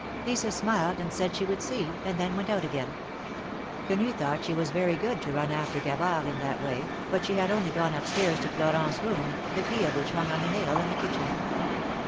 Lisa smiled and said she would see, and then went out again. Quenu thought she was very good to run after Gavard in that way, but she had only gone up stairs to Florent's room, the key of which hung on a nail in the kitchen.